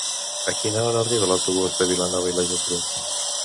A quina hora arriba l'autobús de Vilanova i la Geltrú?